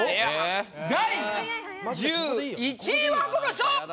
第１１位はこの人！